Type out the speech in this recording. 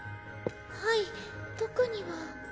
はい特には。